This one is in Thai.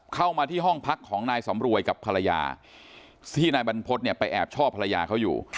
เข้ามาที่ห้องพักของนายสำรวยกับภรรยาที่นายบรรพฤษเนี่ยไปแอบชอบภรรยาเขาอยู่